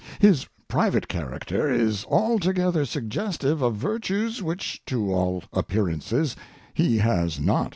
His private character is altogether suggestive of virtues which to all appearances he has not.